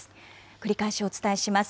繰り返しお伝えします。